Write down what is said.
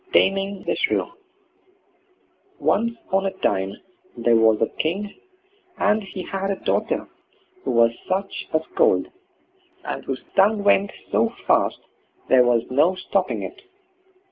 TAMING THE SHREW Once on a time there was a king, and he had a daughter who was such a scold, and whose tongue went so fast, there was no stopping it.